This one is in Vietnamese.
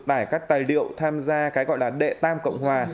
bài các tài liệu tham gia cái gọi là đệ tam cộng hòa